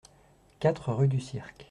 quatre rue du Cirque